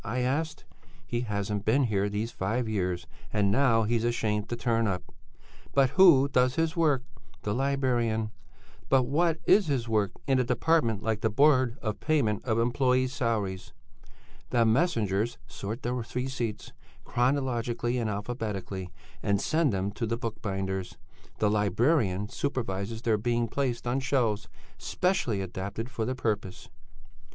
I asked. "'He hasn't been here these five years, and now he's ashamed to turn up.' "'But who does his work?' "'The librarian.' "'But what is his work in a department like the Board of Payment of Employés' Salaries?' "'The messengers sort the receipts, chronologically and alphabetically, and send them to the book binders; the librarian supervises their being placed on shelves specially adapted for the purpose.'"